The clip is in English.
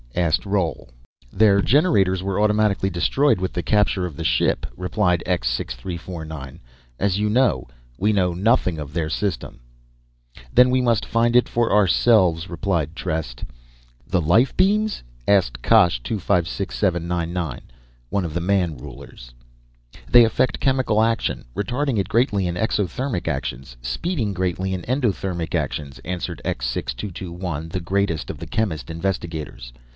asked Roal. "Their generators were automatically destroyed with the capture of the ship," replied X 6349, "as you know. We know nothing of their system." "Then we must find it for ourselves," replied Trest. "The life beams?" asked Kahsh 256799, one of the Man rulers. "They affect chemical action, retarding it greatly in exothermic actions, speeding greatly endothermic actions," answered X 6221, the greatest of the chemist investigators.